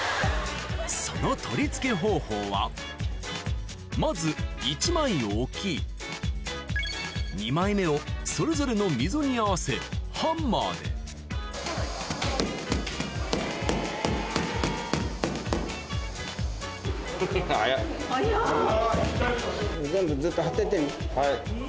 その取り付け方法はまず１枚を置き２枚目をそれぞれの溝に合わせハンマーではい。